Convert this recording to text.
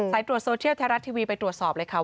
ใส่ตรวจโทรเชียบทะเลทีวีไปตรวจสอบเลยค่ะ